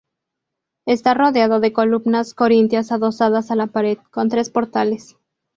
Está rodeado de columnas corintias adosadas a la pared, con tres portales.